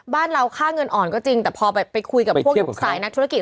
บ้านเราค่าเงินอ่อนก็จริงแต่พอพูดกับผู้อยู่สายนักธุรกิจ